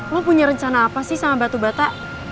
lo punya rencana apa sih sama batu bata